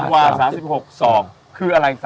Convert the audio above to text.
๓วา๓๖สอก